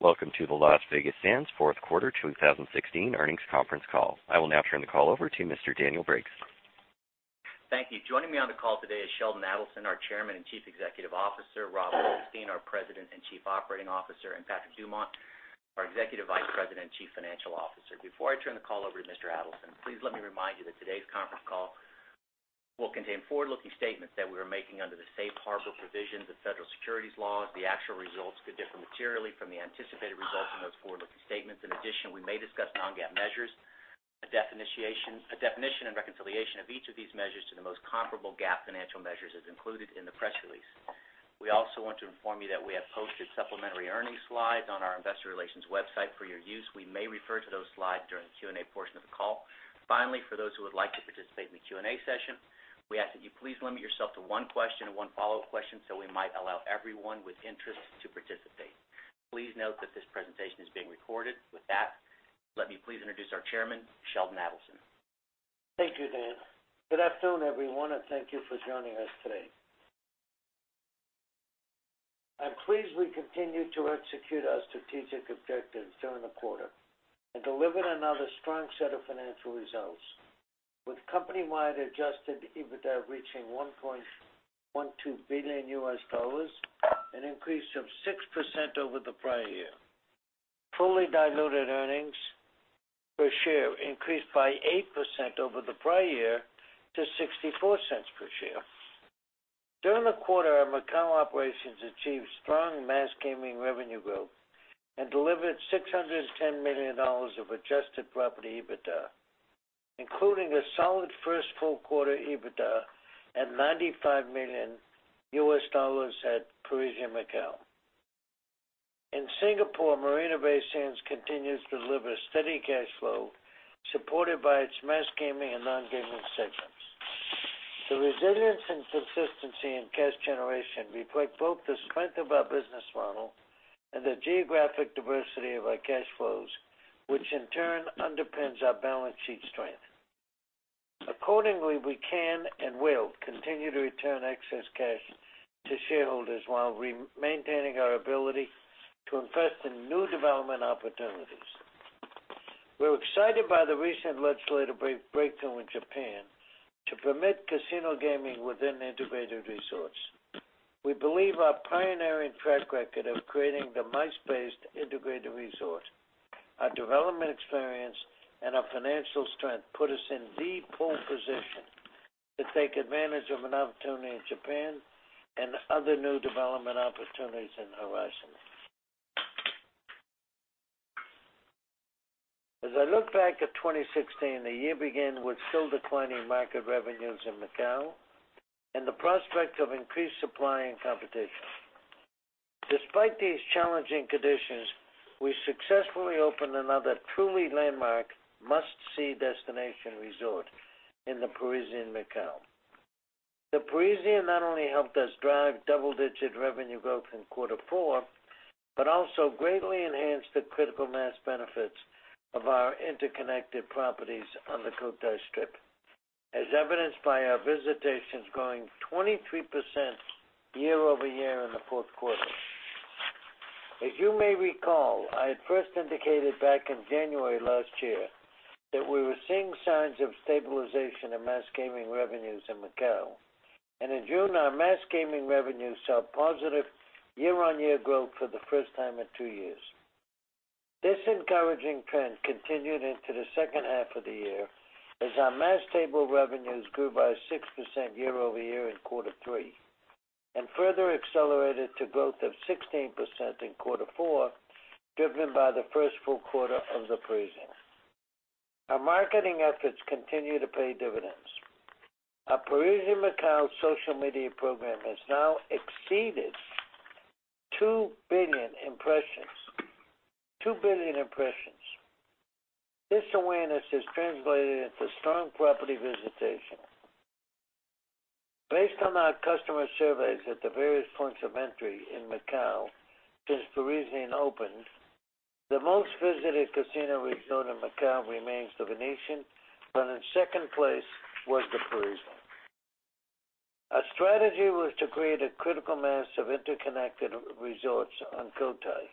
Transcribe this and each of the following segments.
Welcome to the Las Vegas Sands fourth quarter 2016 earnings conference call. I will now turn the call over to Mr. Daniel Briggs. Thank you. Joining me on the call today is Sheldon Adelson, our Chairman and Chief Executive Officer, Robert Goldstein, our President and Chief Operating Officer, and Patrick Dumont, our Executive Vice President and Chief Financial Officer. Before I turn the call over to Mr. Adelson, please let me remind you that today's conference call will contain forward-looking statements that we are making under the safe harbor provisions of federal securities laws. The actual results could differ materially from the anticipated results in those forward-looking statements. In addition, we may discuss non-GAAP measures. A definition and reconciliation of each of these measures to the most comparable GAAP financial measures is included in the press release. We also want to inform you that we have posted supplementary earnings slides on our investor relations website for your use. We may refer to those slides during the Q&A portion of the call. Finally, for those who would like to participate in the Q&A session, we ask that you please limit yourself to one question and one follow-up question so we might allow everyone with interest to participate. Please note that this presentation is being recorded. With that, let me please introduce our chairman, Sheldon Adelson. Thank you, Dan. Good afternoon, everyone, and thank you for joining us today. I'm pleased we continued to execute our strategic objectives during the quarter and delivered another strong set of financial results, with company-wide adjusted EBITDA reaching $1.12 billion, an increase of 6% over the prior year. Fully diluted earnings per share increased by 8% over the prior year to $0.64 per share. During the quarter, our Macao operations achieved strong mass gaming revenue growth and delivered $610 million of adjusted property EBITDA, including a solid first full quarter EBITDA at $95 million at The Parisian Macao. In Singapore, Marina Bay Sands continues to deliver steady cash flow supported by its mass gaming and non-gaming segments. The resilience and consistency in cash generation reflect both the strength of our business model and the geographic diversity of our cash flows, which in turn underpins our balance sheet strength. Accordingly, we can and will continue to return excess cash to shareholders while maintaining our ability to invest in new development opportunities. We're excited by the recent legislative breakthrough in Japan to permit casino gaming within integrated resorts. We believe our pioneering track record of creating the MICE-based integrated resort, our development experience, and our financial strength put us in the pole position to take advantage of an opportunity in Japan and other new development opportunities in the horizon. As I look back at 2016, the year began with still declining market revenues in Macao and the prospect of increased supply and competition. Despite these challenging conditions, we successfully opened another truly landmark must-see destination resort in The Parisian Macao. The Parisian not only helped us drive double-digit revenue growth in quarter four, but also greatly enhanced the critical mass benefits of our interconnected properties on the Cotai Strip, as evidenced by our visitations growing 23% year-over-year in the fourth quarter. As you may recall, I had first indicated back in January last year that we were seeing signs of stabilization in mass gaming revenues in Macao, and in June, our mass gaming revenues saw positive year-on-year growth for the first time in two years. This encouraging trend continued into the second half of the year as our mass table revenues grew by 6% year-over-year in quarter three, and further accelerated to growth of 16% in quarter four, driven by the first full quarter of The Parisian. Our marketing efforts continue to pay dividends. Our Parisian Macao social media program has now exceeded 2 billion impressions. This awareness has translated into strong property visitation. Based on our customer surveys at the various points of entry in Macao since Parisian opened, the most visited casino resort in Macao remains The Venetian, but in second place was The Parisian. Our strategy was to create a critical mass of interconnected resorts on Cotai.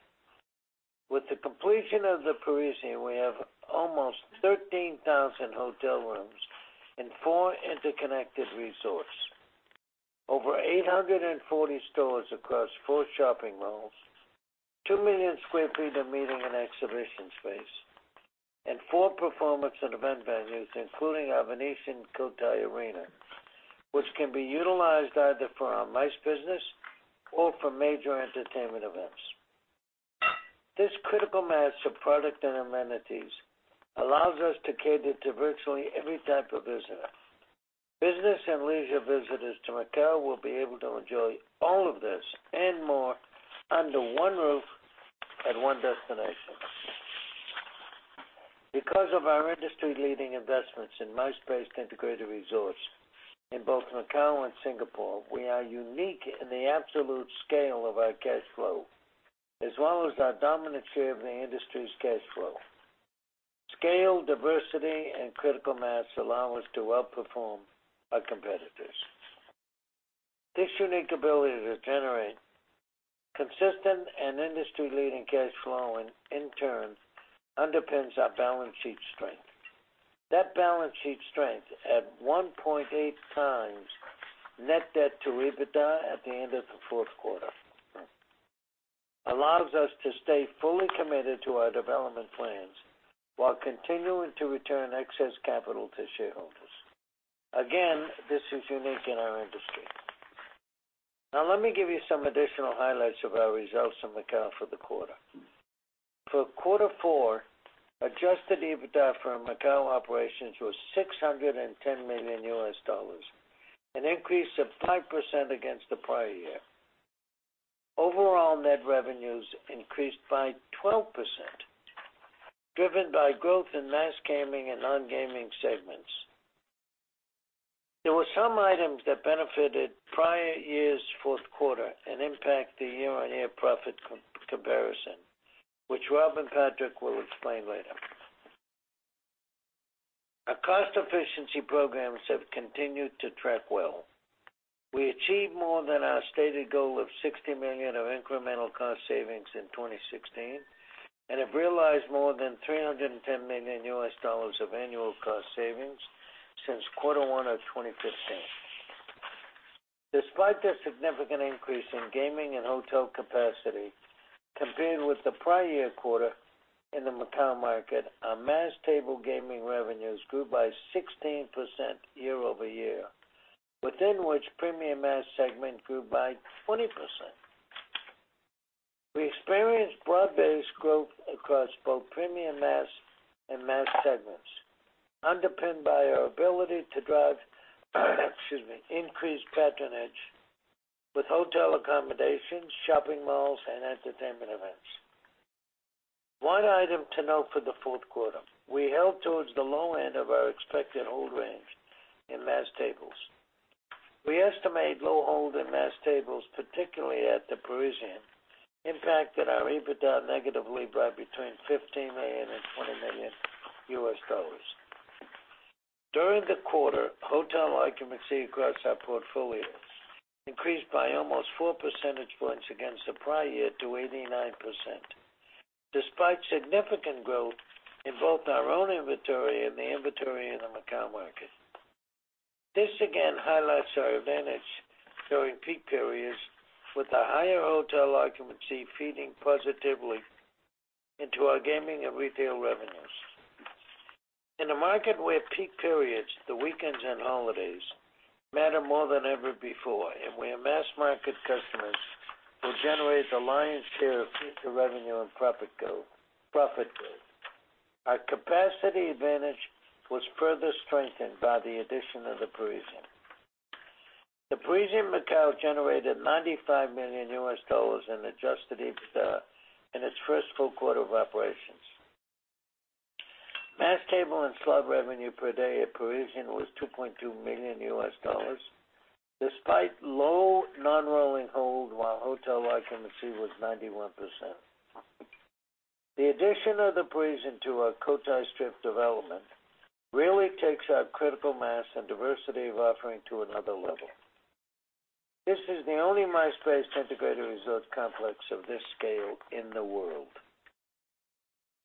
With the completion of The Parisian, we have almost 13,000 hotel rooms in four interconnected resorts, over 840 stores across four shopping malls, 2 million sq ft of meeting and exhibition space, and four performance and event venues, including our Venetian Cotai Arena, which can be utilized either for our MICE business or for major entertainment events. This critical mass of product and amenities allows us to cater to virtually every type of visitor. Business and leisure visitors to Macao will be able to enjoy all of this and more under one roof at one destination. Because of our industry-leading investments in MICE-based integrated resorts in both Macao and Singapore, we are unique in the absolute scale of our cash flow, as well as our dominant share of the industry's cash flow. Scale, diversity, and critical mass allow us to outperform our competitors. This unique ability to generate consistent and industry-leading cash flow, in turn, underpins our balance sheet strength. That balance sheet strength at 1.8 times net debt to EBITDA at the end of the fourth quarter allows us to stay fully committed to our development plans while continuing to return excess capital to shareholders. Again, this is unique in our industry. Now let me give you some additional highlights of our results in Macao for the quarter. For quarter four, adjusted EBITDA for our Macao operations was $610 million, an increase of 5% against the prior year. Overall net revenues increased by 12%, driven by growth in mass gaming and non-gaming segments. There were some items that benefited prior year's fourth quarter and impact the year-over-year profit comparison, which Rob and Patrick will explain later. Our cost efficiency programs have continued to track well. We achieved more than our stated goal of $60 million of incremental cost savings in 2016, and have realized more than $310 million of annual cost savings since quarter one of 2015. Despite the significant increase in gaming and hotel capacity compared with the prior year quarter in the Macau market, our mass table gaming revenues grew by 16% year-over-year, within which premium mass segment grew by 20%. We experienced broad-based growth across both premium mass and mass segments, underpinned by our ability to drive, excuse me, increased patronage with hotel accommodations, shopping malls, and entertainment events. One item to note for the fourth quarter, we held towards the low end of our expected hold range in mass tables. We estimate low hold in mass tables, particularly at The Parisian, impacted our EBITDA negatively by between $15 million and $20 million. During the quarter, hotel occupancy across our portfolios increased by almost four percentage points against the prior year to 89%, despite significant growth in both our own inventory and the inventory in the Macau market. This, again, highlights our advantage during peak periods with a higher hotel occupancy feeding positively into our gaming and retail revenues. In a market where peak periods, the weekends and holidays matter more than ever before, and where mass market customers will generate the lion's share of future revenue and profit growth. Our capacity advantage was further strengthened by the addition of The Parisian. The Parisian Macao generated $95 million in adjusted EBITDA in its first full quarter of operations. Mass table and slot revenue per day at The Parisian was $2.2 million, despite low non-rolling hold while hotel occupancy was 91%. The addition of The Parisian to our Cotai Strip development really takes our critical mass and diversity of offering to another level. This is the only mass-based integrated resort complex of this scale in the world.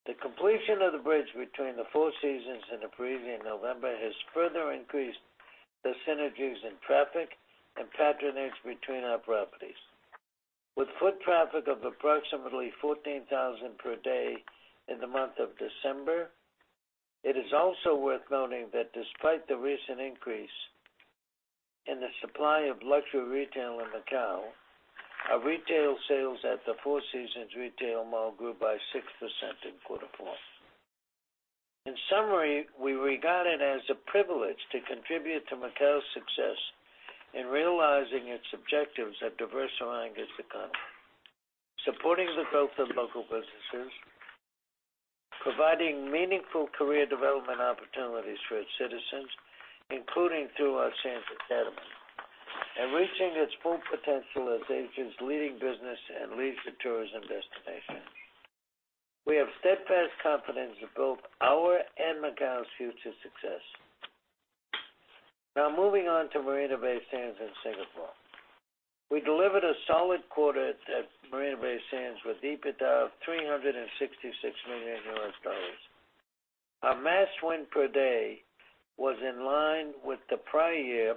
The completion of the bridge between The Four Seasons and The Parisian in November has further increased the synergies in traffic and patronage between our properties. With foot traffic of approximately 14,000 per day in the month of December, it is also worth noting that despite the recent increase in the supply of luxury retail in Macau, our retail sales at The Four Seasons retail mall grew by 6% in quarter four. In summary, we regard it as a privilege to contribute to Macau's success in realizing its objectives of diversifying its economy, supporting the growth of local businesses, providing meaningful career development opportunities for its citizens, including through our Sands Academy, and reaching its full potential as Asia's leading business and leisure tourism destination. We have steadfast confidence in both our and Macau's future success. Now moving on to Marina Bay Sands in Singapore. We delivered a solid quarter at Marina Bay Sands with EBITDA of $366 million. Our mass win per day was in line with the prior year.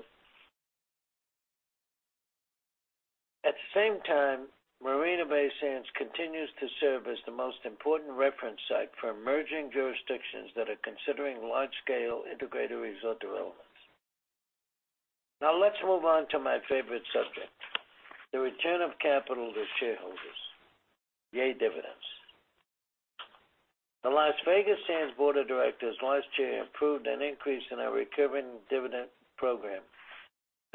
At the same time, Marina Bay Sands continues to serve as the most important reference site for emerging jurisdictions that are considering large-scale integrated resort developments. Now let's move on to my favorite subject, the return of capital to shareholders, yay, dividends. The Las Vegas Sands Board of Directors last year approved an increase in our recurring dividend program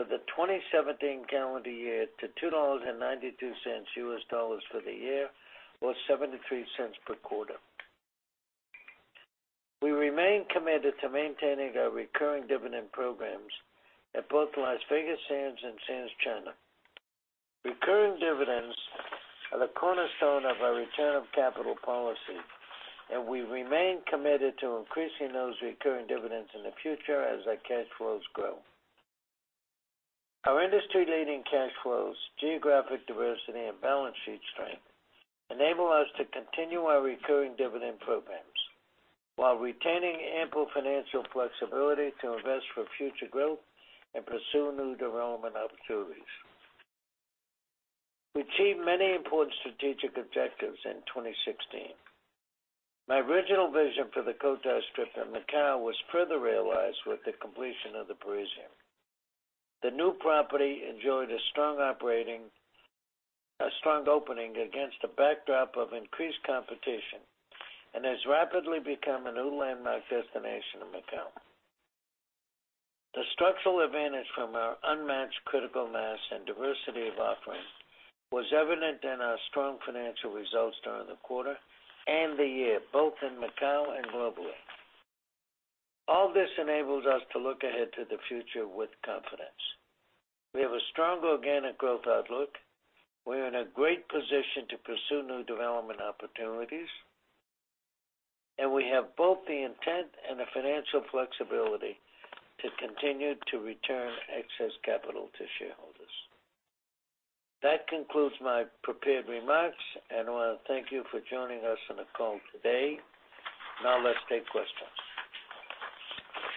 for the 2017 calendar year to $2.92 for the year, or $0.73 per quarter. We remain committed to maintaining our recurring dividend programs at both Las Vegas Sands and Sands China. Recurring dividends are the cornerstone of our return of capital policy, and we remain committed to increasing those recurring dividends in the future as our cash flows grow. Our industry-leading cash flows, geographic diversity, and balance sheet strength enable us to continue our recurring dividend programs while retaining ample financial flexibility to invest for future growth and pursue new development opportunities. We achieved many important strategic objectives in 2016. My original vision for the Cotai Strip in Macau was further realized with the completion of The Parisian. The new property enjoyed a strong opening against a backdrop of increased competition, and has rapidly become a new landmark destination in Macau. The structural advantage from our unmatched critical mass and diversity of offerings was evident in our strong financial results during the quarter and the year, both in Macau and globally. All this enables us to look ahead to the future with confidence. We have a strong organic growth outlook. We're in a great position to pursue new development opportunities, and we have both the intent and the financial flexibility to continue to return excess capital to shareholders. That concludes my prepared remarks, and I want to thank you for joining us on the call today. Now let's take questions.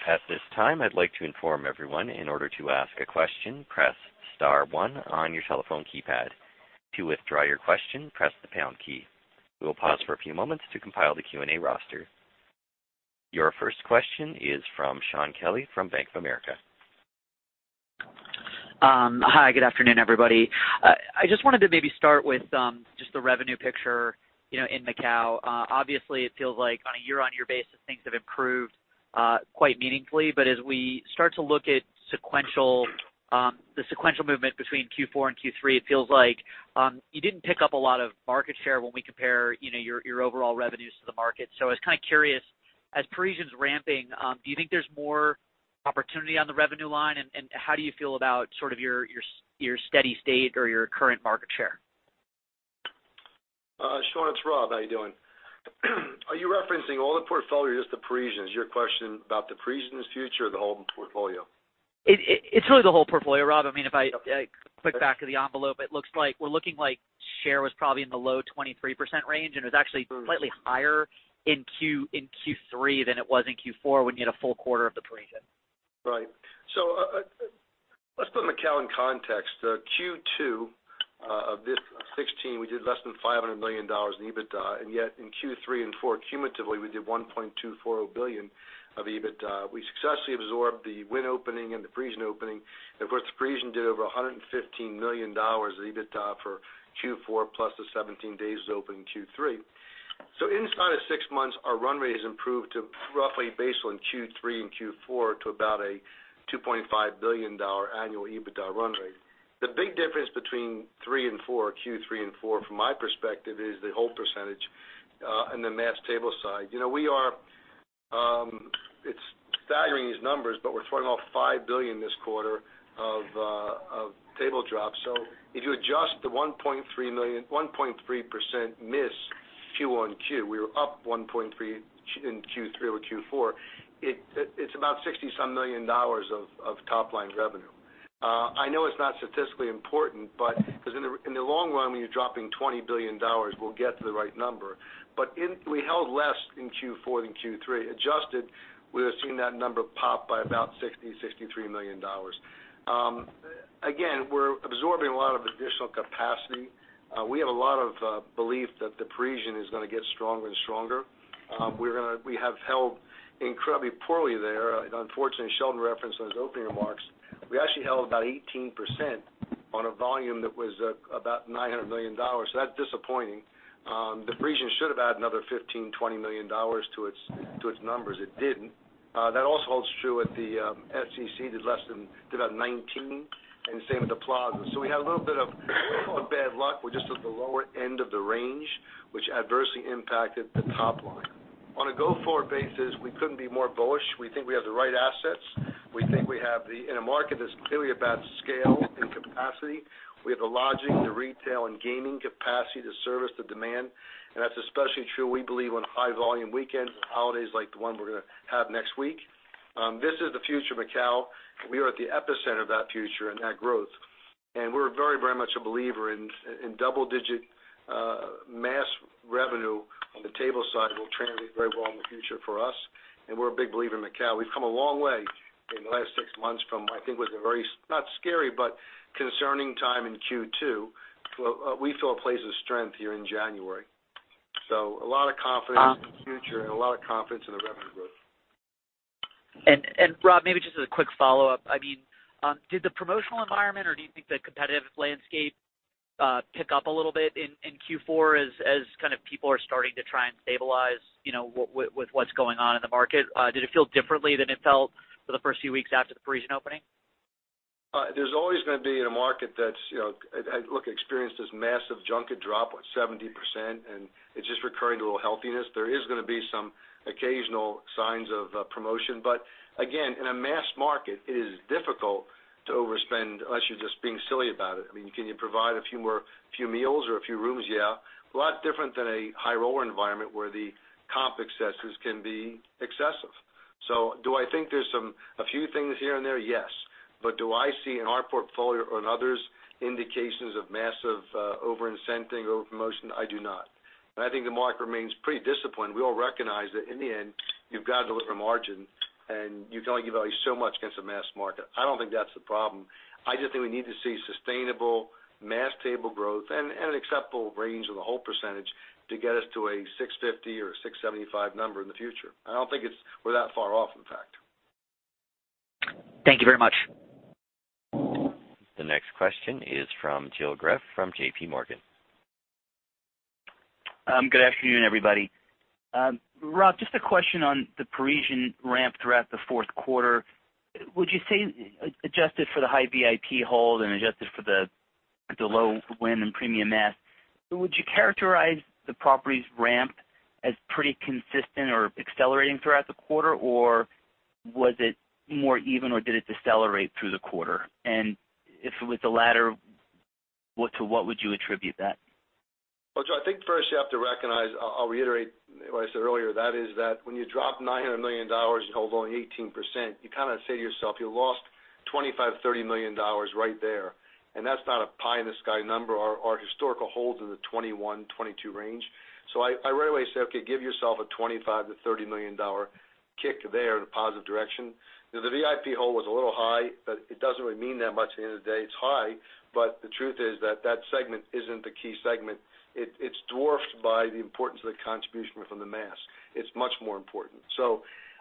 At this time, I'd like to inform everyone, in order to ask a question, press star one on your telephone keypad. To withdraw your question, press the pound key. We will pause for a few moments to compile the Q&A roster. Your first question is from Shaun Kelley from Bank of America. Hi, good afternoon, everybody. I just wanted to maybe start with just the revenue picture in Macau. Obviously, it feels like on a year-on-year basis, things have improved quite meaningfully. As we start to look at the sequential movement between Q4 and Q3, it feels like you didn't pick up a lot of market share when we compare your overall revenues to the market. I was kind of curious, as Parisian's ramping, do you think there's more opportunity on the revenue line, and how do you feel about sort of your steady state or your current market share? Shaun, it's Rob. How you doing? Are you referencing all the portfolio or just The Parisian? Is your question about The Parisian's future or the whole portfolio? It's really the whole portfolio, Rob. If I quick back of the envelope, it looks like we're looking like share was probably in the low 23% range, and it was actually slightly higher in Q3 than it was in Q4 when you had a full quarter of The Parisian. Right. Let's put Macau in context. Q2 of 2016, we did less than $500 million in EBITDA, yet in Q3 and Q4 cumulatively, we did $1.240 billion of EBITDA. We successfully absorbed the Wynn Palace opening and The Parisian opening. Of course, The Parisian did over $115 million of EBITDA for Q4 plus the 17 days it opened in Q3. Inside of six months, our run rate has improved to roughly based on Q3 and Q4 to about a $2.5 billion annual EBITDA run rate. The big difference between Q3 and Q4 from my perspective is the hold percentage on the mass table side. It's staggering, these numbers, but we're talking about $5 billion this quarter of table drop. If you adjust the 1.3% miss QoQ, we were up 1.3% in Q3 or Q4. It's about $60-some million of top-line revenue. I know it's not statistically important, because in the long run, when you're dropping $20 billion, we'll get to the right number. We held less in Q4 than Q3. Adjusted, we're seeing that number pop by about $60 million-$63 million. Again, we're absorbing a lot of additional capacity. We have a lot of belief that The Parisian is going to get stronger and stronger. We have held incredibly poorly there. Unfortunately, Sheldon referenced in his opening remarks, we actually held about 18% on a volume that was about $900 million. That's disappointing. The Parisian should have added another $15 million-$20 million to its numbers. It didn't. That also holds true at the SCC, did about 19%, and the same with The Plaza. We had a little bit of bad luck. We're just at the lower end of the range, which adversely impacted the top line. On a go-forward basis, we couldn't be more bullish. We think we have the right assets. In a market that's clearly about scale and capacity, we have the lodging, the retail, and gaming capacity to service the demand. That's especially true, we believe, on high volume weekends and holidays like the one we're going to have next week. This is the future of Macau, and we are at the epicenter of that future and that growth. We're very much a believer in double-digit mass revenue on the table side will translate very well in the future for us, and we're a big believer in Macau. We've come a long way in the last six months from I think it was a very, not scary, but concerning time in Q2. We feel a place of strength here in January. A lot of confidence in the future and a lot of confidence in the revenue growth. Rob, maybe just as a quick follow-up, did the promotional environment, or do you think the competitive landscape pick up a little bit in Q4 as kind of people are starting to try and stabilize with what's going on in the market? Did it feel differently than it felt for the first few weeks after the Parisian opening? There's always going to be in a market that's experienced this massive junket drop, what, 70%, and it's just recurring to a little healthiness. There is going to be some occasional signs of promotion. Again, in a mass market, it is difficult to overspend unless you're just being silly about it. Can you provide a few more meals or a few rooms? Yeah. A lot different than a high roller environment where the comp excesses can be excessive. Do I think there's a few things here and there? Yes. Do I see in our portfolio or in others, indications of massive over-incenting, over-promotion? I do not. I think the market remains pretty disciplined. We all recognize that in the end, you've got to deliver margin, and you can only give value so much against the mass market. I don't think that's the problem. I just think we need to see sustainable mass table growth and an acceptable range of the whole percentage to get us to a 650 or 675 number in the future. I don't think we're that far off, in fact. Thank you very much. The next question is from Jill Grethe from J.P. Morgan. Good afternoon, everybody. Rob, just a question on the Parisian ramp throughout the fourth quarter. Would you say, adjusted for the high VIP hold and adjusted for the low win and premium mass, would you characterize the property's ramp as pretty consistent or accelerating throughout the quarter, or was it more even, or did it decelerate through the quarter? If it was the latter, to what would you attribute that? I think first you have to recognize, I'll reiterate what I said earlier, that is that when you drop $900 million and hold only 18%, you kind of say to yourself, you lost $25, $30 million right there, and that's not a pie in the sky number. Our historical hold is in the 21, 22 range. I right away say, okay, give yourself a $25 to $30 million kick there in a positive direction. The VIP hold was a little high, but it doesn't really mean that much at the end of the day. It's high, but the truth is that segment isn't the key segment. It's dwarfed by the importance of the contribution from the mass. It's much more important.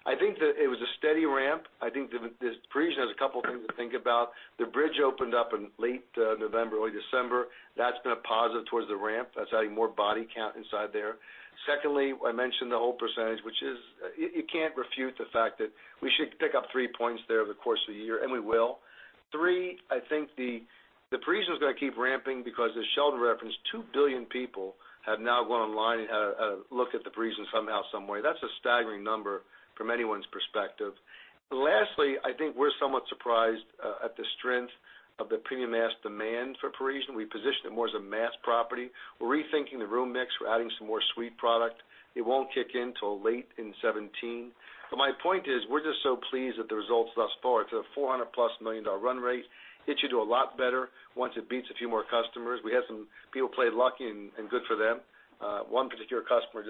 I think that it was a steady ramp. I think the Parisian has a couple things to think about. The bridge opened up in late November, early December. That's been a positive towards the ramp. That's adding more body count inside there. Secondly, I mentioned the whole percentage, which you can't refute the fact that we should pick up three points there over the course of a year, and we will. Three, I think the Parisian's going to keep ramping because as Sheldon Adelson referenced, 2 billion people have now gone online and looked at the Parisian somehow, some way. That's a staggering number from anyone's perspective. Lastly, I think we're somewhat surprised at the strength of the premium mass demand for Parisian. We positioned it more as a mass property. We're rethinking the room mix. We're adding some more suite product. It won't kick in till late in 2017. But my point is, we're just so pleased with the results thus far. It's a $400-plus million run rate. It should do a lot better once it beats a few more customers. We had some people play lucky and good for them. One particular customer,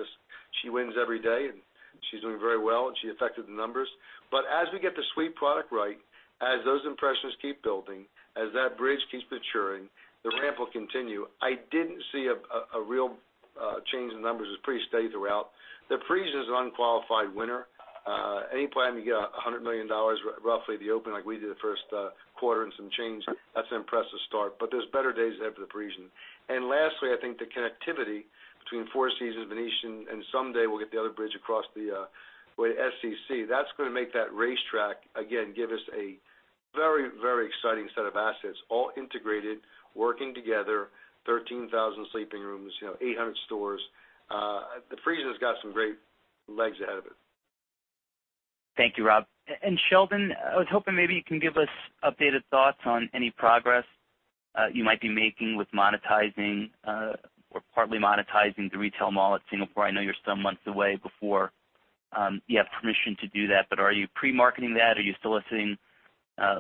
she wins every day, and she's doing very well, and she affected the numbers. But as we get the suite product right, as those impressions keep building, as that bridge keeps maturing, the ramp will continue. I didn't see a real change in numbers. It was pretty steady throughout. The Parisian is an unqualified winner. Any plan to get $100 million roughly at the open like we did the first quarter and some change, that's an impressive start, but there's better days ahead for the Parisian. I think the connectivity between Four Seasons, Venetian, and someday we'll get the other bridge across the way to SCC. That's going to make that racetrack, again, give us a very exciting set of assets, all integrated, working together, 13,000 sleeping rooms, 800 stores. The Parisian's got some great legs ahead of it. Thank you, Rob. Sheldon, I was hoping maybe you can give us updated thoughts on any progress you might be making with monetizing or partly monetizing the retail mall at Singapore. I know you're some months away before you have permission to do that, but are you pre-marketing that? Are you soliciting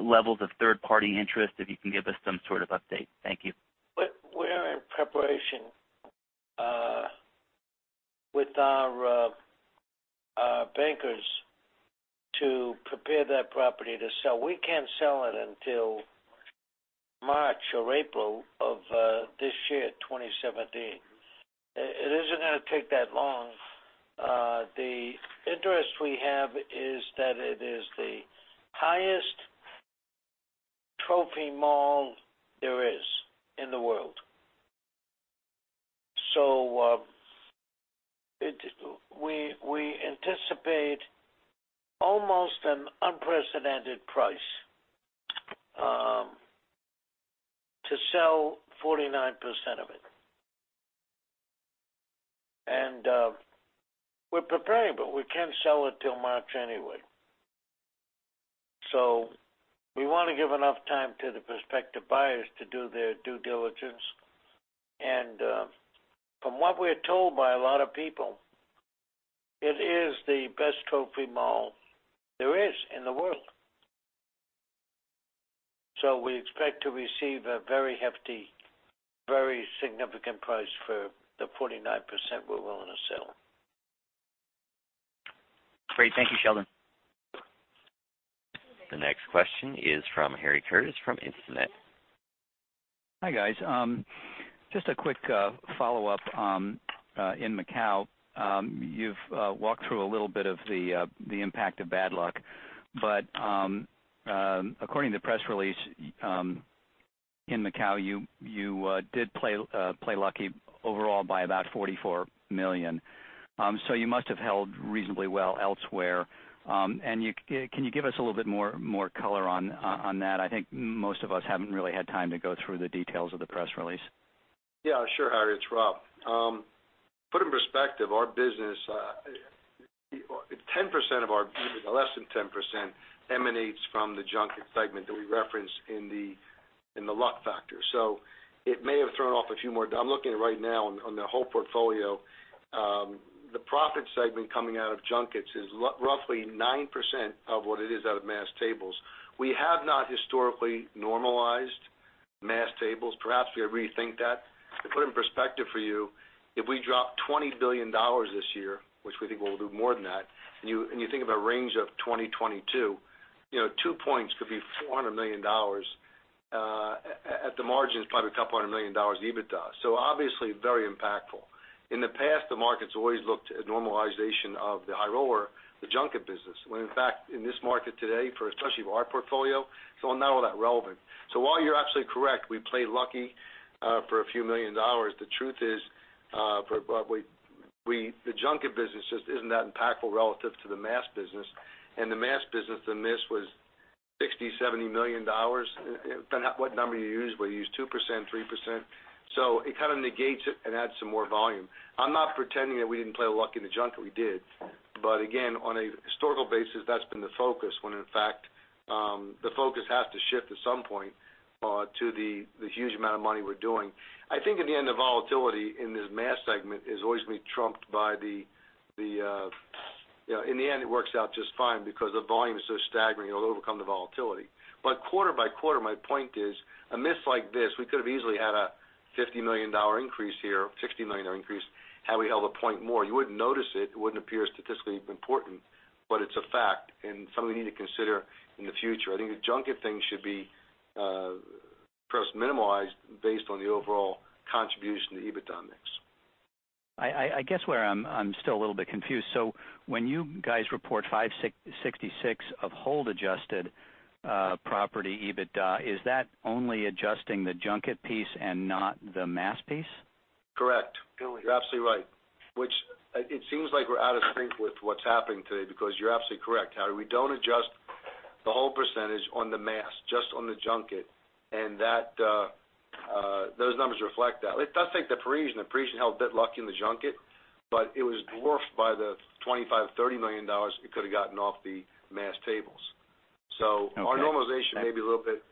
levels of third-party interest, if you can give us some sort of update? Thank you. We're in preparation with our bankers to prepare that property to sell. We can't sell it until March or April of this year, 2017. It isn't going to take that long. The interest we have is that it is the highest trophy mall there is in the world. We anticipate almost an unprecedented price to sell 49% of it. We're preparing, but we can't sell it till March anyway. We want to give enough time to the prospective buyers to do their due diligence. From what we're told by a lot of people, it is the best trophy mall there is in the world. We expect to receive a very hefty, very significant price for the 49% we're willing to sell. Great. Thank you, Sheldon. The next question is from Harry Curtis from Instinet. Hi, guys. Just a quick follow-up. In Macau, you've walked through a little bit of the impact of bad luck, according to the press release, in Macau, you did play lucky overall by about $44 million. You must have held reasonably well elsewhere. Can you give us a little bit more color on that? I think most of us haven't really had time to go through the details of the press release. Yeah, sure, Harry. It's Rob. Put in perspective, our business, less than 10% emanates from the junket segment that we reference in the luck factor. It may have thrown off a few more. I'm looking at it right now on the whole portfolio. The profit segment coming out of junkets is roughly 9% of what it is out of mass tables. We have not historically normalized mass tables. Perhaps we ought to rethink that. To put it in perspective for you, if we drop $20 billion this year, which we think we'll do more than that, and you think of a range of 2022, two points could be $400 million. At the margins, probably a couple hundred million dollars EBITDA. Obviously, very impactful. In the past, the market's always looked at normalization of the high roller, the junket business, when in fact, in this market today, for especially our portfolio, it's not all that relevant. While you're absolutely correct, we play lucky for a few million dollars, the truth is the junket business just isn't that impactful relative to the mass business. The mass business, the miss was $60, $70 million. Depends on what number you use, whether you use 2%, 3%. It kind of negates it and adds some more volume. I'm not pretending that we didn't play lucky in the junket. We did. Again, on a historical basis, that's been the focus, when in fact, the focus has to shift at some point to the huge amount of money we're doing. I think in the end, the volatility in this mass segment is always going to be trumped in the end, it works out just fine because the volume is so staggering, it'll overcome the volatility. Quarter by quarter, my point is, a miss like this, we could have easily had a $50 million increase here, $60 million increase, had we held a point more. You wouldn't notice it. It wouldn't appear statistically important, but it's a fact and something we need to consider in the future. I think the junket thing should be perhaps minimalized based on the overall contribution to the EBITDA mix. I guess where I'm still a little bit confused. When you guys report 566 of hold adjusted property EBITDA, is that only adjusting the junket piece and not the mass piece? Correct. You're absolutely right, which it seems like we're out of sync with what's happening today because you're absolutely correct, Harry. We don't adjust the whole percentage on the mass, just on the junket, and those numbers reflect that. I think The Parisian held a bit lucky in the junket, but it was dwarfed by the $25 million, $30 million it could've gotten off the mass tables. Okay. Our normalization may be a little bit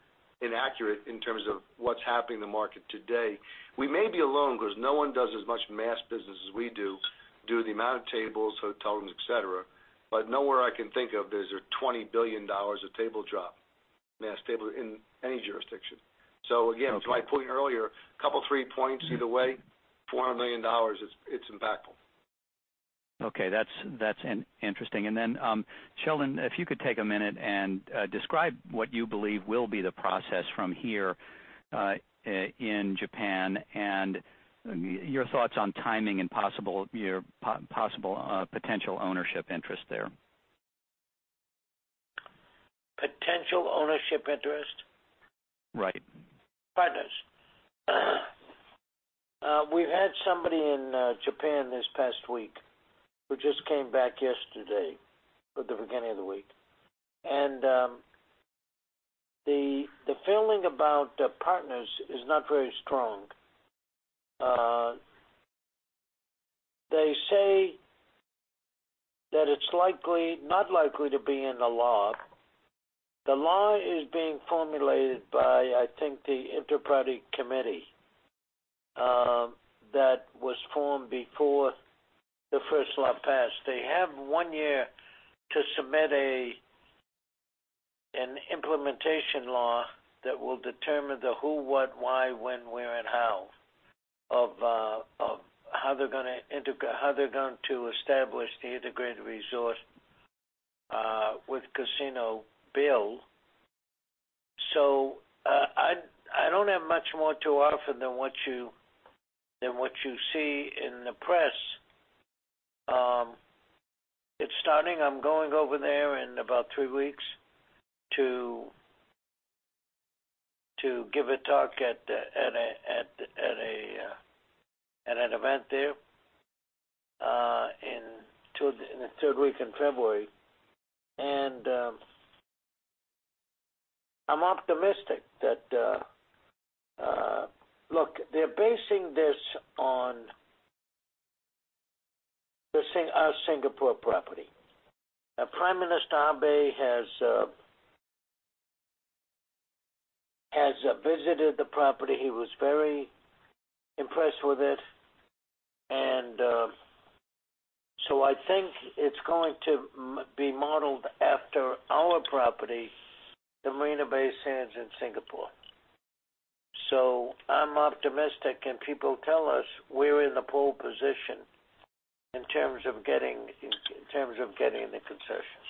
inaccurate in terms of what's happening in the market today. We may be alone because no one does as much mass business as we do, due to the amount of tables, hotels, et cetera. Nowhere I can think of is there $20 billion of table drop, mass table in any jurisdiction. Okay. Again, to my point earlier, couple, three points either way, $400 million, it's impactful. Okay, that's interesting. Sheldon, if you could take a minute and describe what you believe will be the process from here in Japan and your thoughts on timing and your possible potential ownership interest there. Potential ownership interest? Right. Partners. We had somebody in Japan this past week who just came back yesterday or the beginning of the week. The feeling about the partners is not very strong. They say that it's not likely to be in the law. The law is being formulated by, I think, the interparty committee that was formed before the first law passed. They have one year to submit an implementation law that will determine the who, what, why, when, where, and how of how they're going to establish the integrated resort with casino bill. I don't have much more to offer than what you see in the press. It's starting. I'm going over there in about three weeks to give a talk at an event there in the third week in February. I'm optimistic that Look, they're basing this on our Singapore property. Prime Minister Abe has visited the property. He was very impressed with it. I think it's going to be modeled after our property, the Marina Bay Sands in Singapore. I'm optimistic, and people tell us we're in the pole position in terms of getting the concessions.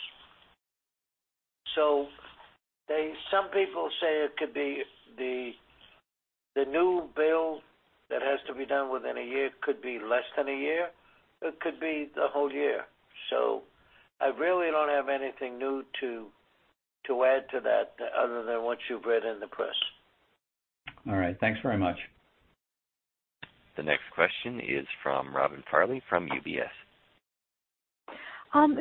Some people say it could be the new bill that has to be done within a year, could be less than a year. It could be the whole year. I really don't have anything new to add to that other than what you've read in the press. All right. Thanks very much. The next question is from Robin Farley from UBS.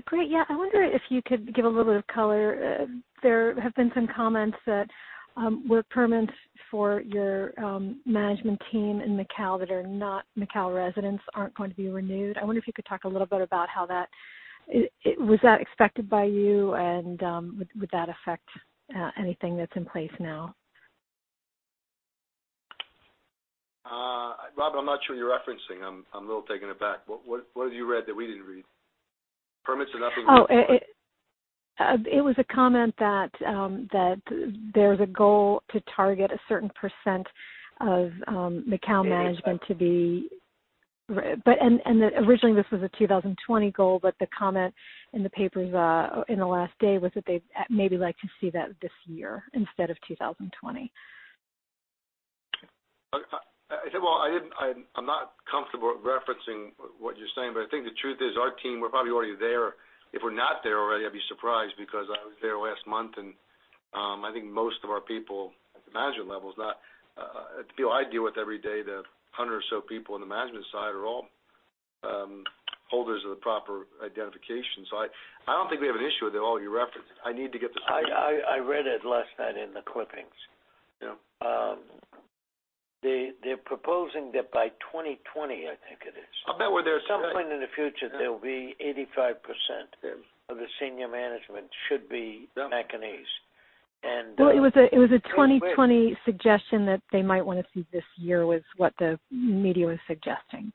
Great. Yeah, I wonder if you could give a little bit of color. There have been some comments that work permits for your management team in Macao that are not Macao residents aren't going to be renewed. I wonder if you could talk a little bit about how that Was that expected by you, and would that affect anything that's in place now? Robin, I'm not sure what you're referencing. I'm a little taken aback. What have you read that we didn't read? Permits are nothing new. Oh, it was a comment that there's a goal to target a certain % of Macao management to be. 85. That originally this was a 2020 goal, the comment in the papers in the last day was that they'd maybe like to see that this year instead of 2020. I'm not comfortable referencing what you're saying, I think the truth is our team, we're probably already there. If we're not there already, I'd be surprised because I was there last month, I think most of our people at the management level, the people I deal with every day, the 100 or so people in the management side are all holders of the proper identification. I don't think we have an issue with it all you're referencing. I read it last night in the clippings. Yeah. They're proposing that by 2020. About where they're today At some point in the future, there'll be 85% of the senior management should be Macanese. Well, it was a 2020 suggestion that they might want to see this year was what the media was suggesting.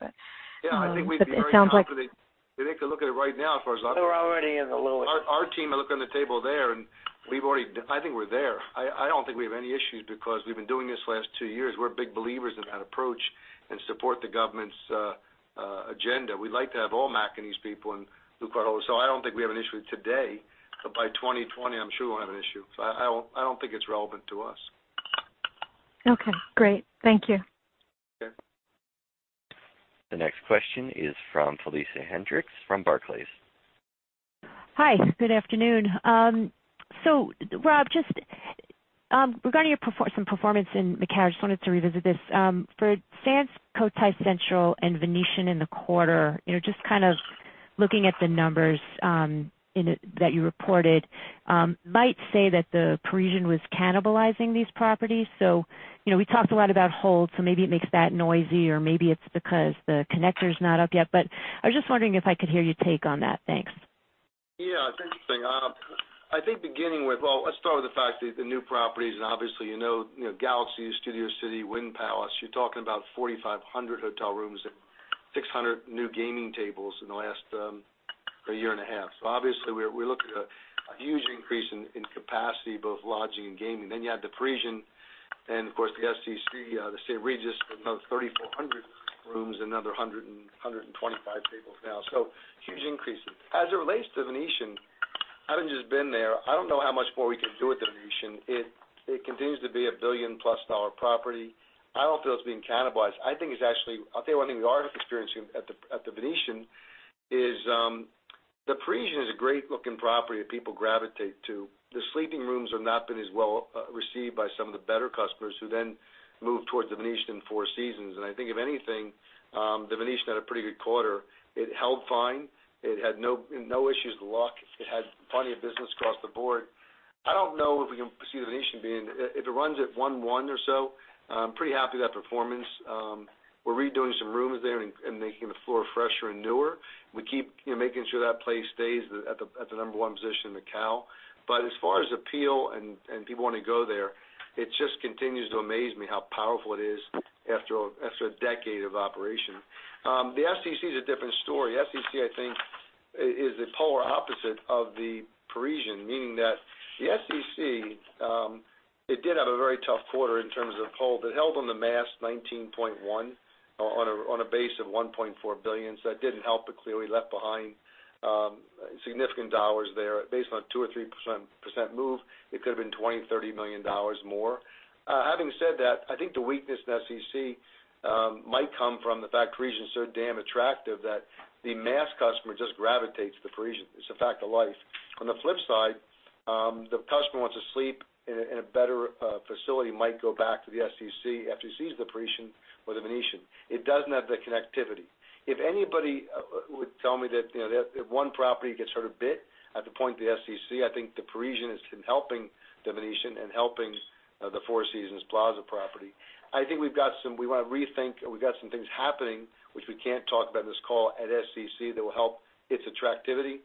Yeah, I think we'd be very confident. You'd have to look at it right now, as far as I'm concerned. We're already in the low- Our team, I look on the table there, I think we're there. I don't think we have any issues because we've been doing this the last two years. We're big believers in that approach and support the government's agenda. We'd like to have all Macanese people in blue card holders, I don't think we have an issue today, but by 2020, I'm sure we'll have an issue. I don't think it's relevant to us. Okay, great. Thank you. Okay. The next question is from Felicia Hendrix from Barclays. Hi, good afternoon. Rob, just regarding some performance in Macau, I just wanted to revisit this. For Sands Cotai Central and Venetian in the quarter, just kind of looking at the numbers that you reported, might say that The Parisian was cannibalizing these properties. We talked a lot about holds, so maybe it makes that noisy, or maybe it's because the connector's not up yet. I was just wondering if I could hear your take on that. Thanks. It's interesting. I think beginning with, let's start with the fact that the new properties, obviously, you know Galaxy, Studio City, Wynn Palace, you're talking about 4,500 hotel rooms and 600 new gaming tables in the last year and a half. Obviously, we're looking at a huge increase in capacity, both lodging and gaming. You add The Parisian, and of course, the SCC, the St. Regis, with another 3,400 rooms, another 125 tables now. Huge increases. As it relates to Venetian, having just been there, I don't know how much more we can do with the Venetian. It continues to be a billion-plus dollar property. I don't feel it's being cannibalized. I think it's actually, I'll tell you one thing we are experiencing at the Venetian is The Parisian is a great-looking property that people gravitate to. The sleeping rooms have not been as well received by some of the better customers who then move towards the Venetian Four Seasons. I think if anything, the Venetian had a pretty good quarter. It held fine. It had no issues with luck. It had plenty of business across the board. I don't know if we can see the Venetian being, if it runs at 1-1 or so, I'm pretty happy with that performance. We're redoing some rooms there and making the floor fresher and newer. We keep making sure that place stays at the number one position in Macau. As far as appeal and people wanting to go there, it just continues to amaze me how powerful it is after a decade of operation. The SCC is a different story. SCC, I think, is the polar opposite of The Parisian, meaning that the SCC, it did have a very tough quarter in terms of hold. It held on the mass 19.1 on a base of $1.4 billion. That didn't help. It clearly left behind significant dollars there. Based on a 2% or 3% move, it could have been $20 million, $30 million more. Having said that, I think the weakness in SCC might come from the fact The Parisian's so damn attractive that the mass customer just gravitates to The Parisian. It's a fact of life. On the flip side, the customer who wants to sleep in a better facility might go back to the SCC after he sees The Parisian or the Venetian. It doesn't have the connectivity. If anybody would tell me that if one property gets sort of bit, I'd have to point to the SCC. I think The Parisian has been helping The Venetian and helping the Four Seasons Plaza property. I think we want to rethink, and we've got some things happening, which we can't talk about in this call, at SCC that will help its attractivity,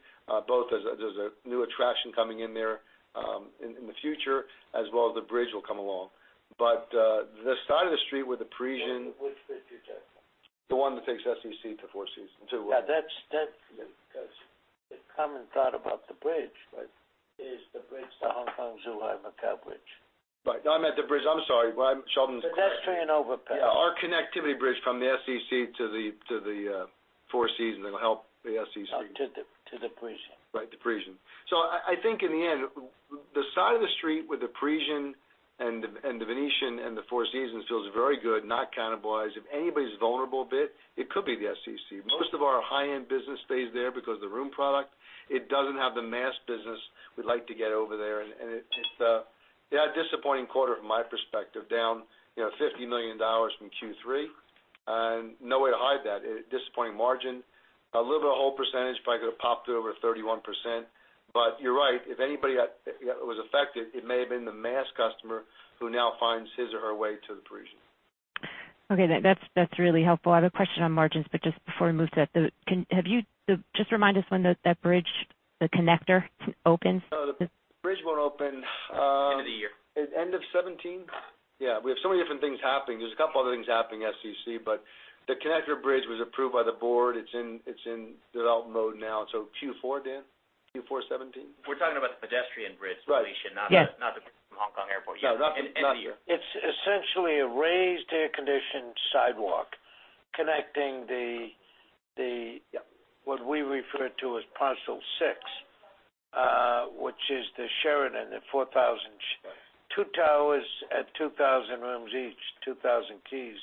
both as there's a new attraction coming in there in the future, as well as the bridge will come along. The side of the street with The Parisian- Which bridge are you talking about? The one that takes SCC to Four Seasons. Yeah, that's the common thought about the bridge, right? Is the bridge, the Hong Kong-Zhuhai-Macau Bridge. Right. No, I meant the bridge. I'm sorry. Sheldon's correct. The pedestrian overpass. Yeah, our connectivity bridge from the SCC to the Four Seasons that'll help the SCC. To the Parisian. Right, the Parisian. I think in the end, the side of the street with The Parisian and The Venetian and the Four Seasons feels very good, not cannibalized. If anybody's vulnerable a bit, it could be the SCC. Most of our high-end business stays there because of the room product. It doesn't have the mass business we'd like to get over there. It had a disappointing quarter from my perspective, down $50 million from Q3. No way to hide that disappointing margin. A little bit of hold percentage probably could have popped it over 31%. You're right. If anybody was affected, it may have been the mass customer who now finds his or her way to The Parisian. Okay. That's really helpful. I have a question on margins, just before we move to that, just remind us when that bridge, the connector, opens. The bridge won't open- End of the year end of 2017? Yeah, we have so many different things happening. There's a couple other things happening at SCC, but the connector bridge was approved by the board. It's in development mode now. Q4, Dan? Q4 2017? We're talking about the pedestrian bridge, Felicia. Yes. Not the one from Hong Kong Airport. No, not that. End of the year. It's essentially a raised air-conditioned sidewalk connecting the, what we refer to as parcel six, which is the Sheraton, two towers at 2,000 rooms each, 2,000 keys,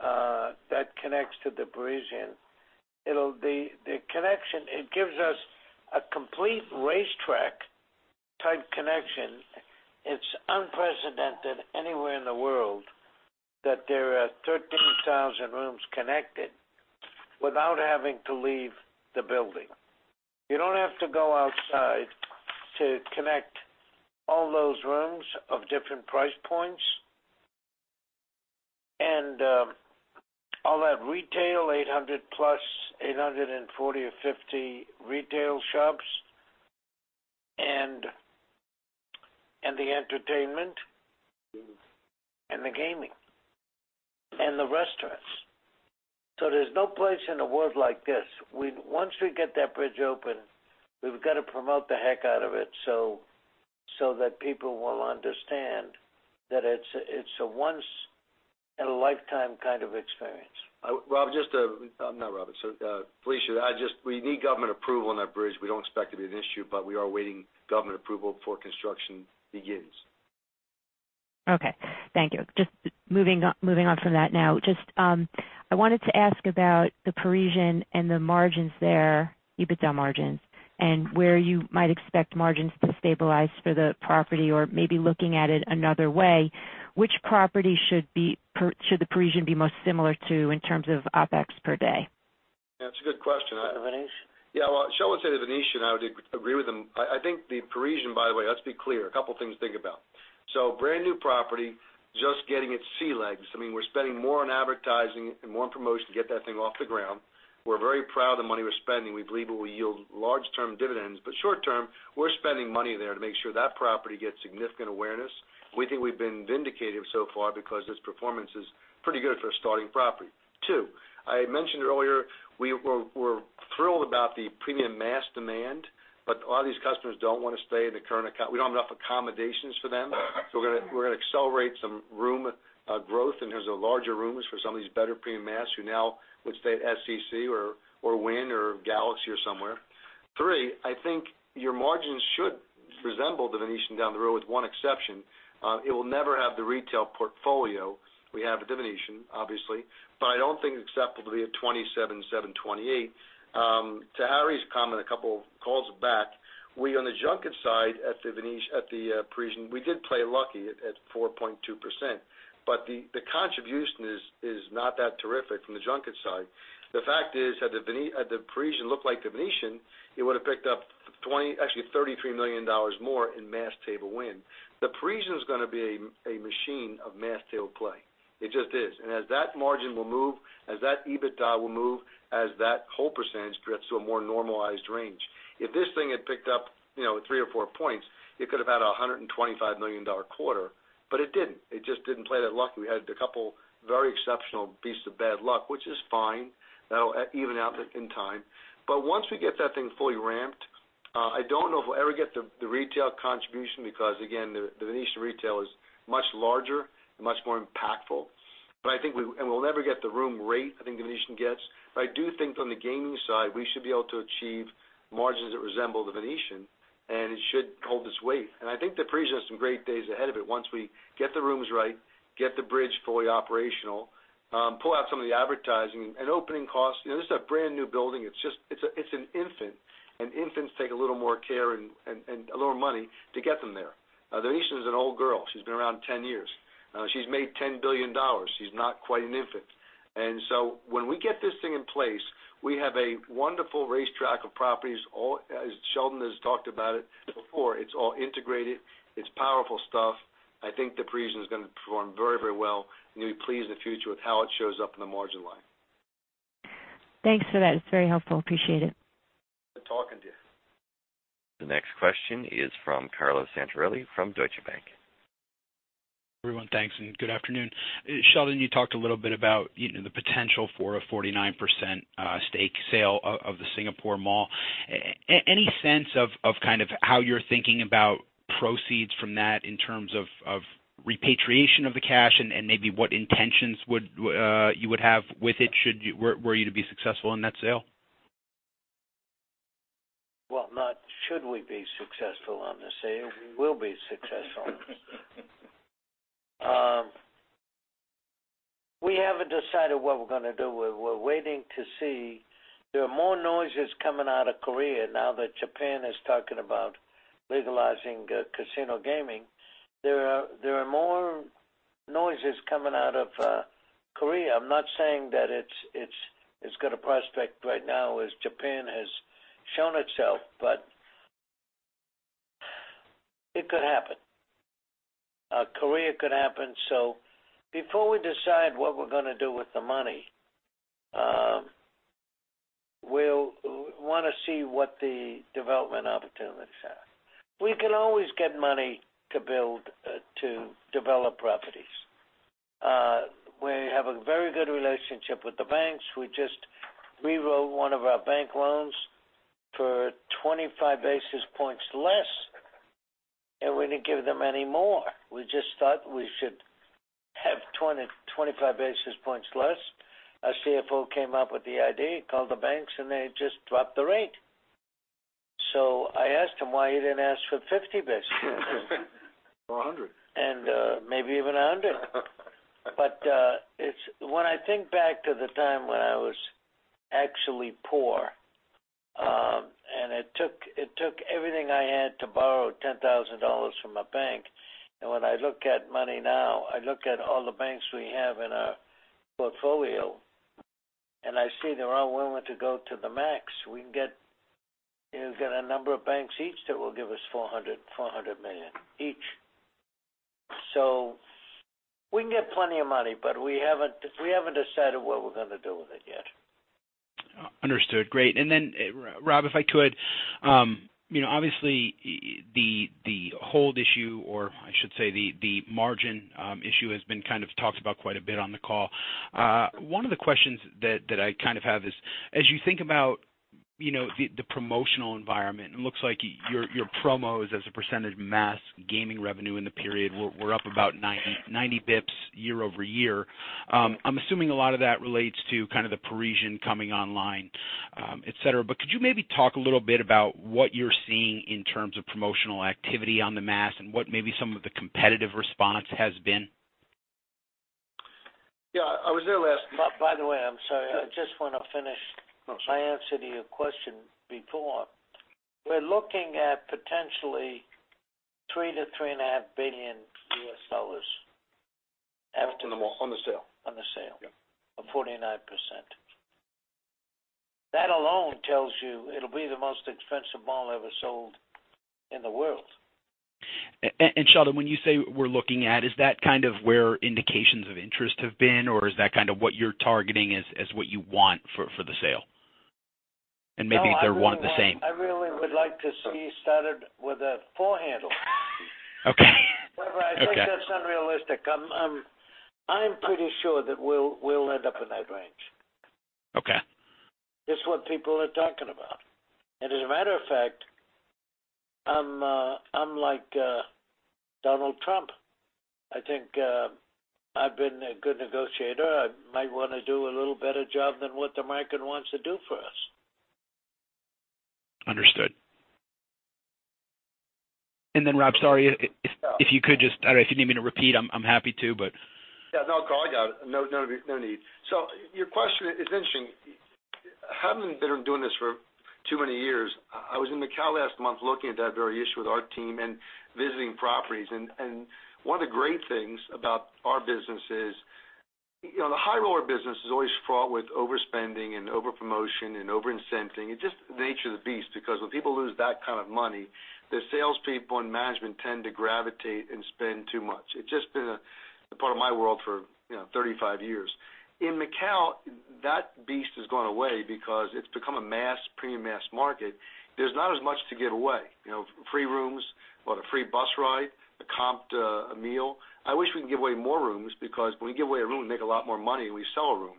that connects to The Parisian. The connection, it gives us a complete racetrack-type connection. It's unprecedented anywhere in the world that there are 13,000 rooms connected without having to leave the building. You don't have to go outside to connect all those rooms of different price points and all that retail, 800 plus, 840 or 50 retail shops, and the entertainment and the gaming and the restaurants. There's no place in the world like this. Once we get that bridge open, we've got to promote the heck out of it so that people will understand that it's a once-in-a-lifetime kind of experience. Felicia, we need government approval on that bridge. We don't expect it to be an issue, but we are awaiting government approval before construction begins. Okay, thank you. Just moving on from that now. I wanted to ask about The Parisian and the margins there, EBITDA margins, and where you might expect margins to stabilize for the property or maybe looking at it another way, which property should The Parisian be most similar to in terms of OpEx per day? That is a good question. The Venetian. Yeah. Well, Sheldon would say The Venetian, I would agree with him. I think The Parisian, by the way, let us be clear, a couple things to think about. Brand new property, just getting its sea legs. We are spending more on advertising and more on promotion to get that thing off the ground. We are very proud of the money we are spending. We believe it will yield long-term dividends, but short-term, we are spending money there to make sure that property gets significant awareness. We think we have been vindicated so far because its performance is pretty good for a starting property. Two, I mentioned earlier, we are thrilled about the premium mass demand, but a lot of these customers do not want to stay in the current we do not have enough accommodations for them. We are going to accelerate some room growth, and there is larger rooms for some of these better premium mass who now would stay at SCC or Wynn or Galaxy or somewhere. Three, I think your margins should resemble The Venetian down the road, with one exception. It will never have the retail portfolio we have at The Venetian, obviously, but I do not think it is acceptable to be at 27.7%, 28%. To Harry's comment a couple of calls back, we, on the junket side at The Parisian, we did play lucky at 4.2%, but the contribution is not that terrific from the junket side. The fact is, had The Parisian looked like The Venetian, it would have picked up actually $33 million more in mass table win. The Parisian is going to be a machine of mass table play. It just is. As that margin will move, as that EBITDA will move, as that hold percentage drifts to a more normalized range. If this thing had picked up three or four points, it could have had a $125 million quarter, but it didn't. It just didn't play that lucky. We had a couple very exceptional beasts of bad luck, which is fine. That'll even out in time. Once we get that thing fully ramped, I don't know if we'll ever get the retail contribution because, again, The Venetian retail is much larger and much more impactful. We'll never get the room rate I think The Venetian gets. I do think from the gaming side, we should be able to achieve margins that resemble The Venetian, and it should hold its weight. I think The Parisian has some great days ahead of it once we get the rooms right, get the bridge fully operational, pull out some of the advertising and opening costs. This is a brand-new building. It's an infant, and infants take a little more care and a little more money to get them there. The Venetian is an old girl. She's been around 10 years. She's made $10 billion. She's not quite an infant. When we get this thing in place, we have a wonderful racetrack of properties. As Sheldon has talked about it before, it's all integrated. It's powerful stuff. I think The Parisian is going to perform very well, and you'll be pleased in the future with how it shows up in the margin line. Thanks for that. It's very helpful. Appreciate it. Good talking to you. The next question is from Carlo Santarelli from Deutsche Bank. Everyone, thanks, and good afternoon. Sheldon, you talked a little bit about the potential for a 49% stake sale of the Singapore Mall. Any sense of kind of how you're thinking about proceeds from that in terms of repatriation of the cash and maybe what intentions you would have with it, were you to be successful in that sale? Well, not should we be successful on the sale, we will be successful on the sale. We haven't decided what we're going to do. We're waiting to see. There are more noises coming out of Korea now that Japan is talking about legalizing casino gaming. There are more noises coming out of Korea. I'm not saying that it's got a prospect right now as Japan has shown itself, but it could happen. Korea could happen. Before we decide what we're going to do with the money, we'll want to see what the development opportunities are. We can always get money to build, to develop properties. We have a very good relationship with the banks. We just rewrote one of our bank loans for 25 basis points less, and we didn't give them any more. We just thought we should have 25 basis points less. Our CFO came up with the idea, he called the banks, and they just dropped the rate. I asked him why he didn't ask for 50 basis. 100. Maybe even 100. When I think back to the time when I was actually poor, and it took everything I had to borrow $10,000 from a bank. When I look at money now, I look at all the banks we have in our portfolio, and I see they're all willing to go to the max. We can get a number of banks each that will give us $400 million each. We can get plenty of money, but we haven't decided what we're going to do with it yet. Understood, great. Then Rob, if I could, obviously, the hold issue, or I should say the margin issue, has been talked about quite a bit on the call. One of the questions that I have is, as you think about the promotional environment, it looks like your promos as a percentage of mass gaming revenue in the period were up about 90 basis points year-over-year. I'm assuming a lot of that relates to The Parisian coming online, et cetera. Could you maybe talk a little bit about what you're seeing in terms of promotional activity on the mass and what maybe some of the competitive response has been? Yeah, I was there. I'm sorry, I just want to finish. No, sure. My answer to your question before. We're looking at potentially $3 billion-$3.5 billion after the. On the sale. On the sale. Yeah. Of 49%. That alone tells you it will be the most expensive mall ever sold in the world. Sheldon, when you say we are looking at, is that where indications of interest have been, or is that what you are targeting as what you want for the sale? Maybe they are one and the same. No, I really would like to see started with a four handle. Okay. However, I think that's unrealistic. I'm pretty sure that we'll end up in that range. Okay. As a matter of fact, I'm like Donald Trump, I think I've been a good negotiator. I might want to do a little better job than what the American wants to do for us. Understood. Rob, sorry, if you could just I don't know, if you need me to repeat, I'm happy to. Yeah, no, Carlo, I got it. No need. Your question is interesting. Having been doing this for too many years, I was in Macau last month looking at that very issue with our team and visiting properties, and one of the great things about our business is, the high roller business is always fraught with overspending and overpromotion and over-incenting. It's just the nature of the beast because when people lose that kind of money, the salespeople and management tend to gravitate and spend too much. It's just been a part of my world for 35 years. In Macau, that beast has gone away because it's become a premium mass market. There's not as much to give away. Free rooms, what, a free bus ride, a comped meal. I wish we could give away more rooms because when we give away a room, we make a lot more money when we sell a room.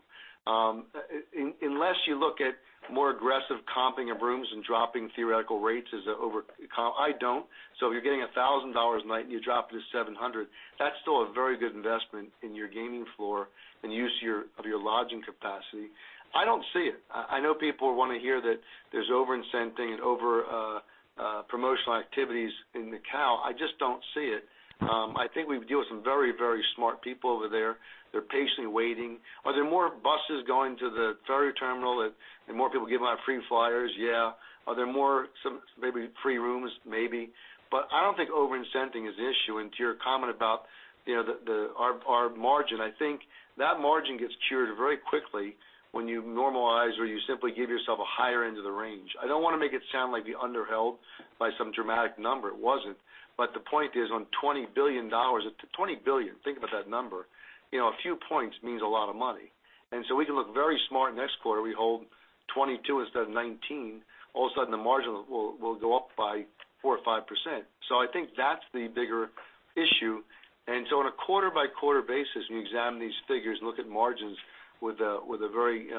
Unless you look at more aggressive comping of rooms and dropping theoretical rates as an over comp. I don't. If you're getting $1,000 a night and you drop it to $700, that's still a very good investment in your gaming floor and use of your lodging capacity. I don't see it. I know people want to hear that there's over-incenting and over promotional activities in Macau. I just don't see it. I think we deal with some very smart people over there. They're patiently waiting. Are there more buses going to the ferry terminal? Are there more people giving out free flyers? Yeah. Are there more maybe free rooms? Maybe. I don't think over-incenting is the issue. To your comment about our margin, I think that margin gets cured very quickly when you normalize or you simply give yourself a higher end of the range. I don't want to make it sound like we underheld by some dramatic number. It wasn't. The point is, on $20 billion, think about that number. A few points means a lot of money. We can look very smart next quarter. We hold 22 instead of 19. All of a sudden, the margin will go up by 4% or 5%. I think that's the bigger issue. On a quarter-by-quarter basis, when you examine these figures and look at margins with a very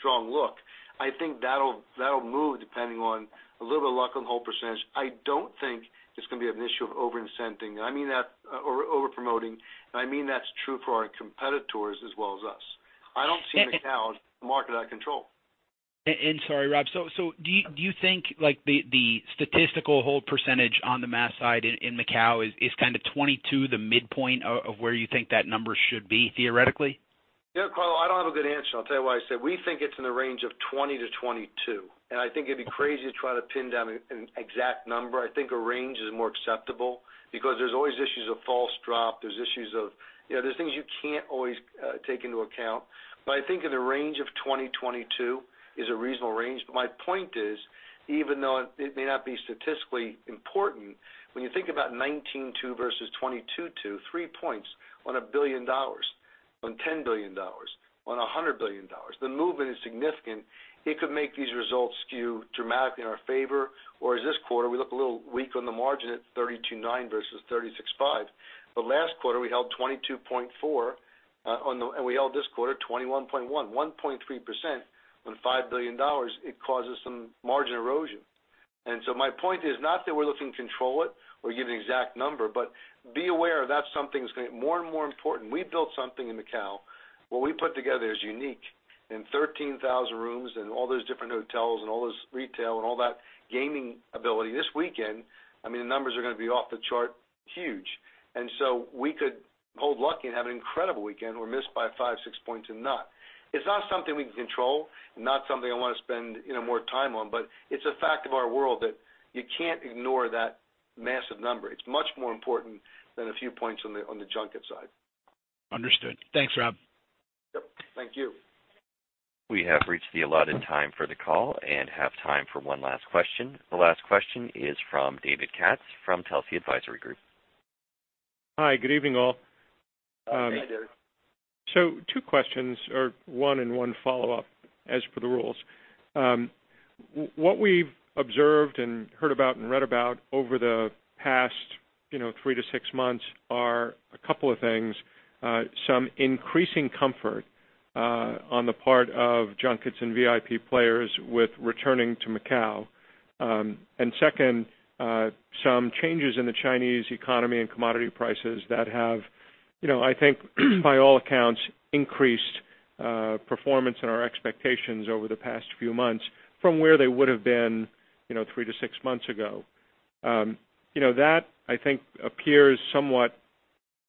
strong look, I think that'll move depending on a little bit of luck on the whole percentage. I don't think there's going to be an issue of over-incenting or overpromoting, I mean that's true for our competitors as well as us. I don't see Macau as a market out of control. Sorry, Rob, do you think the statistical hold percentage on the mass side in Macau is kind of 22 the midpoint of where you think that number should be theoretically? You know, Carlo, I don't have a good answer. I'll tell you why. I said we think it's in the range of 20 to 22, and I think it'd be crazy to try to pin down an exact number. I think a range is more acceptable because there's always issues of false drop. There's issues of, there's things you can't always take into account. I think in the range of 20, 22 is a reasonable range. My point is, even though it may not be statistically important, when you think about 19.2% versus 22.2%, three points on a $1 billion, on $10 billion, on $100 billion, the movement is significant. It could make these results skew dramatically in our favor. Whereas this quarter, we look a little weak on the margin at 32.9% versus 36.5%. Last quarter, we held 22.4%, and we held this quarter 21.1%. 1.3% on $5 billion, it causes some margin erosion. My point is not that we're looking to control it or give an exact number, but be aware that something's going more and more important. We built something in Macau. What we put together is unique. In 13,000 rooms and all those different hotels and all those retail and all that gaming ability this weekend, I mean, the numbers are going to be off the chart huge. We could hold lucky and have an incredible weekend or miss by five, six points and not. It's not something we can control, not something I want to spend more time on, but it's a fact of our world that you can't ignore that massive number. It's much more important than a few points on the junket side. Understood. Thanks, Rob. Yep. Thank you. We have reached the allotted time for the call and have time for one last question. The last question is from David Katz from Telsey Advisory Group. Hi, good evening, all. Hi, David. Two questions, or one and one follow-up, as per the rules. What we've observed and heard about and read about over the past three to six months are a couple of things. Some increasing comfort on the part of junkets and VIP players with returning to Macao. Second, some changes in the Chinese economy and commodity prices that have, I think by all accounts, increased performance in our expectations over the past few months from where they would've been three to six months ago. That I think appears somewhat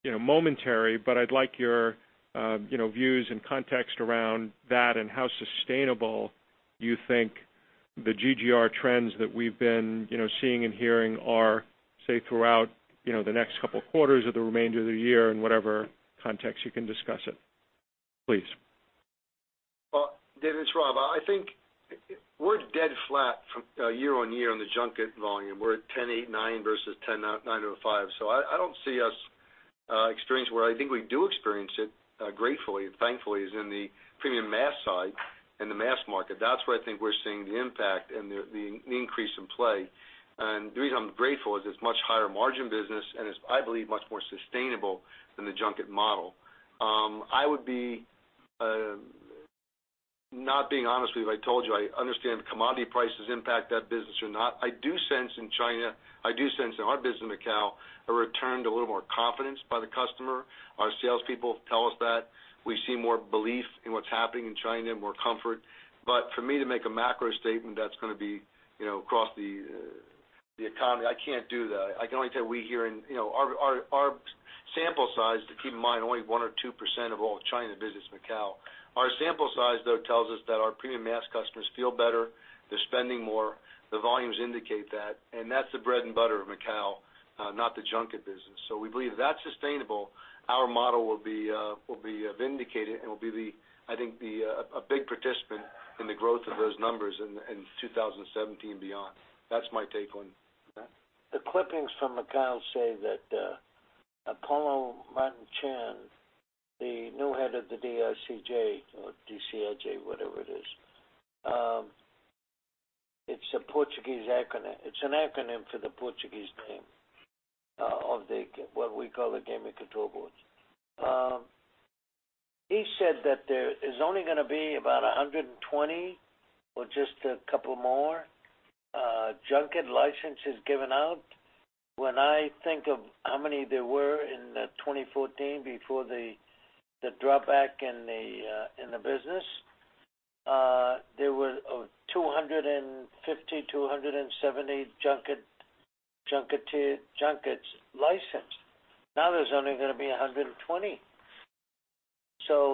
momentary, but I'd like your views and context around that and how sustainable you think the GGR trends that we've been seeing and hearing are, say, throughout the next couple of quarters or the remainder of the year in whatever context you can discuss it, please. Well, David, it's Rob. I think we're dead flat year-on-year on the junket volume. We're at 10.89 versus 10.905. I don't see us experience where I think we do experience it gratefully and thankfully is in the premium mass side and the mass market. That's where I think we're seeing the impact and the increase in play. The reason I'm grateful is it's much higher margin business, and it's, I believe, much more sustainable than the junket model. I would be not being honest with you if I told you I understand commodity prices impact that business or not. I do sense in China, I do sense in our business in Macau, a return to a little more confidence by the customer. Our salespeople tell us that. We see more belief in what's happening in China, more comfort. For me to make a macro statement that's going to be across the economy, I can't do that. I can only tell you we here in our sample size to keep in mind, only 1% or 2% of all China business in Macau. Our sample size, though, tells us that our premium mass customers feel better, they're spending more, the volumes indicate that, and that's the bread and butter of Macau, not the junket business. We believe if that's sustainable, our model will be vindicated and will be, I think, a big participant in the growth of those numbers in 2017 and beyond. That's my take on that. The clippings from Macau say that Paulo Martins Chan, the new head of the DICJ or DICJ, whatever it is. It's a Portuguese acronym. It's an acronym for the Portuguese name of what we call the Gaming Control Board. He said that there is only going to be about 120 or just a couple more junket licenses given out. When I think of how many there were in 2014 before the drop back in the business, there were 250, 270 junkets licensed. Now there's only going to be 120.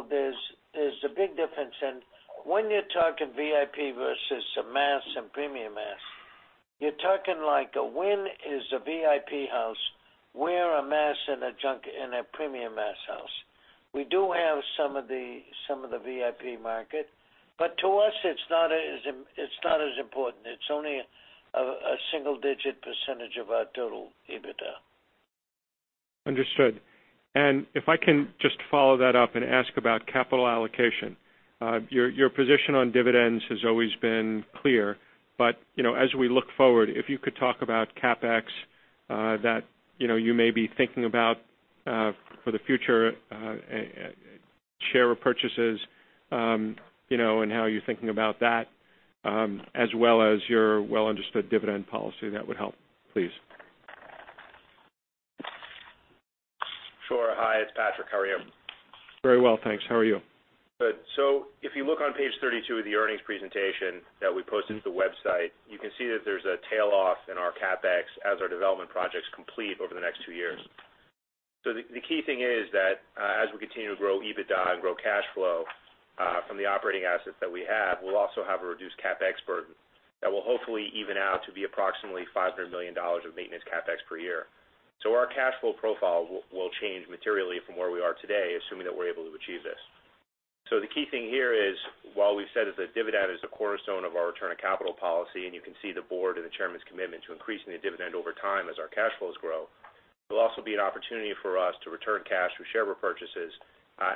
There's a big difference in when you're talking VIP versus the mass and premium mass. You're talking like a Wynn is a VIP house. We're a mass and a junket and a premium mass house. We do have some of the VIP market, but to us, it's not as important. It's only a single-digit percentage of our total EBITDA. Understood. If I can just follow that up and ask about capital allocation. Your position on dividends has always been clear, but as we look forward, if you could talk about CapEx that you may be thinking about for the future, share repurchases, and how you're thinking about that, as well as your well-understood dividend policy, that would help, please. Sure. Hi, it's Patrick. How are you? Very well, thanks. How are you? Good. If you look on page 32 of the earnings presentation that we posted to the website, you can see that there's a tail off in our CapEx as our development projects complete over the next two years. The key thing is that, as we continue to grow EBITDA and grow cash flow from the operating assets that we have, we'll also have a reduced CapEx burden that will hopefully even out to be approximately $500 million of maintenance CapEx per year. Our cash flow profile will change materially from where we are today, assuming that we're able to achieve this. The key thing here is, while we've said is that dividend is a cornerstone of our return on capital policy, and you can see the board and the Chairman's commitment to increasing the dividend over time as our cash flows grow, it'll also be an opportunity for us to return cash through share repurchases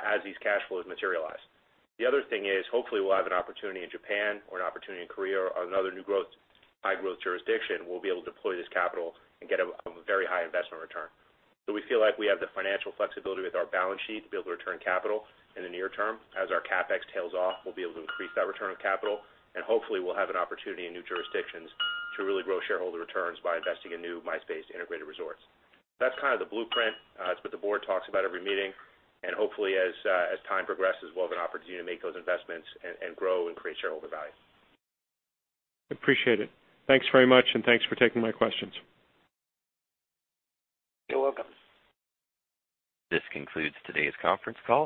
as these cash flows materialize. The other thing is, hopefully, we'll have an opportunity in Japan or an opportunity in Korea or another new growth, high-growth jurisdiction, we'll be able to deploy this capital and get a very high investment return. We feel like we have the financial flexibility with our balance sheet to be able to return capital in the near term. As our CapEx tails off, we'll be able to increase that return of capital, and hopefully, we'll have an opportunity in new jurisdictions to really grow shareholder returns by investing in new MICE-based integrated resorts. That's kind of the blueprint. That's what the board talks about every meeting. Hopefully, as time progresses, we'll have an opportunity to make those investments and grow and create shareholder value. Appreciate it. Thanks very much, and thanks for taking my questions. You're welcome. This concludes today's conference call.